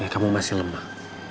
kamu masih lemah